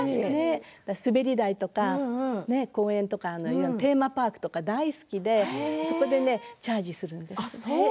滑り台とか公園とかテーマパークとか大好きでそこでチャージをするんです。